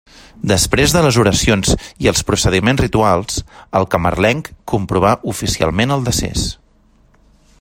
Després de les oracions i els procediments rituals, el camarlenc comprovà oficialment el decés.